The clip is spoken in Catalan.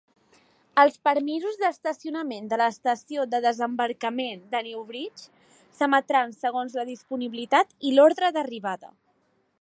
Els permisos d'estacionament de l'estació de desembarcament de New Bridge, s'emetran segons la disponibilitat i l'ordre d'arribada.